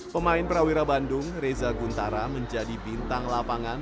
pemain prawira bandung reza guntara menjadi bintang lapangan